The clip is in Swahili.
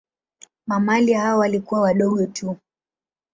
Mamalia hao walikuwa wadogo tu.